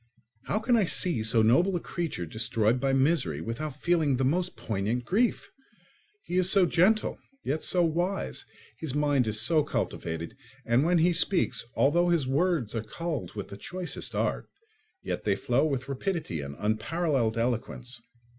How can I see so noble a creature destroyed by misery without feeling the most poignant grief? He is so gentle, yet so wise; his mind is so cultivated, and when he speaks, although his words are culled with the choicest art, yet they flow with rapidity and unparalleled eloquence.